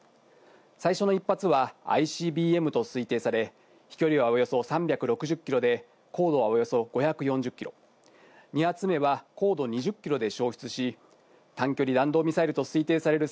最初の一発はＩＣＢＭと推定され、飛距離はおよそ３６０キロで行動はおよそ５４０キロ、２発目は高度２０キロで消失し、短距離弾道ミサイルと推定される